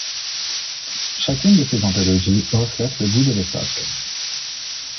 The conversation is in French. Chacune de ces anthologies reflète le goût de l'époque.